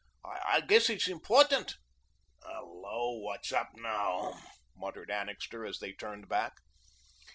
I guess it's important." "Hello, what's up now?" muttered Annixter, as they turned back.